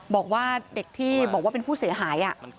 บอกว่าเด็กที่บอกว่าเป็นผู้เสียหาย